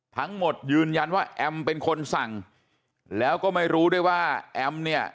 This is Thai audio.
ยืนยันว่าแอมเป็นคนสั่งแล้วก็ไม่รู้ด้วยว่าแอมเนี่ย